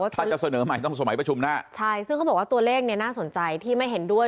ถ้าจะเสนอใหม่ต้องสมัยประชุมหน้าใช่ซึ่งเขาบอกว่าตัวเลขเนี่ยน่าสนใจที่ไม่เห็นด้วย